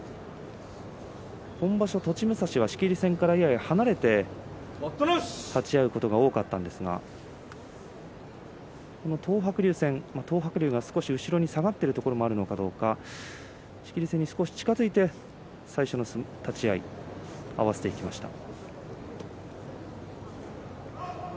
今場所、栃武蔵は仕切り線からやや離れて立ち合うことが多かったんですがこの東白龍戦、東白龍が少し後ろに下がっているところもあるのかどうか仕切り線に少し近づいて最初の立ち合い合わせていきました。